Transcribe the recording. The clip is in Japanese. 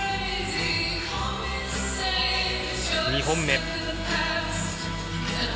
２本目。